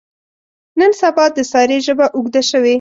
نن سبا د سارې ژبه اوږده شوې.